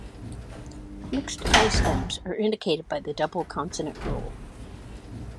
Mixed "i"-stems are indicated by the double consonant rule.